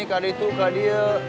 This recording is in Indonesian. ke itu ke dia